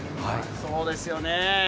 そうですよね。